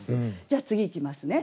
じゃあ次いきますね。